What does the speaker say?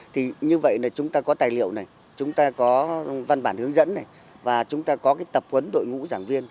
thì như vậy là chúng ta có tài liệu này chúng ta có văn bản hướng dẫn này và chúng ta có cái tập huấn đội ngũ giảng viên